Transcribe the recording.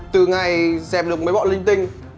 từ ngày dẹp được mấy bọn linh tinh